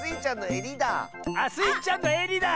あっスイちゃんのえりだ。